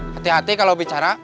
hati hati kalau bicara